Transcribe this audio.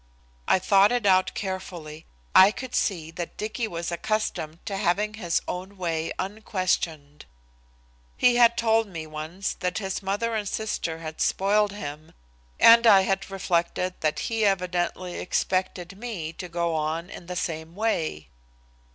I thought it out carefully. I could see that Dicky was accustomed to having his own way unquestioned. He had told me once that his mother and sister had spoiled him, and I reflected that he evidently expected me to go on in the same way.